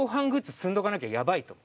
積んどかなきゃやばいと。